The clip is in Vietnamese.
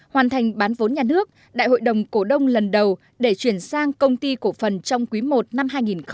hoàn thành bán vốn nhà nước đại hội đồng cổ đông lần đầu để chuyển sang công ty cổ phần trong quý i năm hai nghìn hai mươi